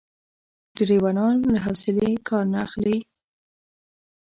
ډریوران له حوصلې کار نه اخلي.